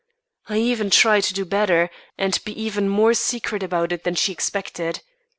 I even tried to do better, and be even more secret about it than she expected.